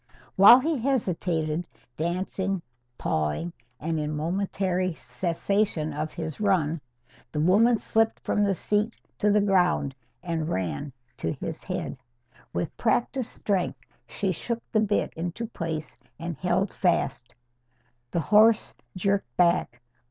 While he hesitated, dancing, pawing, and in momentary cessation of his run, the woman slipped from the seat to the ground and ran to his head. With practised strength she shook the bit into place and held fast. The horse jerked back.